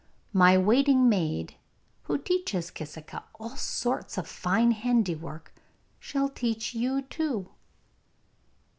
My waiting maid, who teaches Kisika all sorts of fine handiwork, shall teach you too.